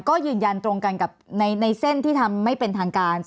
ก็ยืนยันตรงกันกับในเส้นที่ทำไม่เป็นทางการ